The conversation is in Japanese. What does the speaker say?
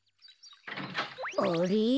あれ？